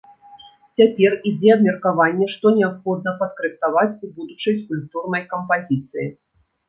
Цяпер ідзе абмеркаванне, што неабходна падкарэктаваць у будучай скульптурнай кампазіцыі.